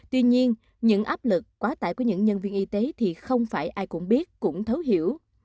tuy nhiên những áp lực quá tải của những nhân viên y tế thì không phải ai cũng biết cũng thấu hiểu